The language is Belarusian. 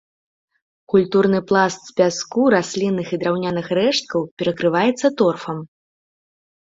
Культурны пласт з пяску, раслінных і драўняных рэшткаў перакрываецца торфам.